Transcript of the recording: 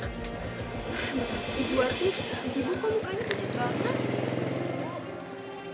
ibu ibu kok mukanya kecil banget